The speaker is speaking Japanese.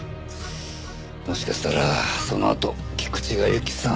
もしかしたらそのあと菊池が由季さんを。